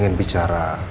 ingin bicara dengan kamu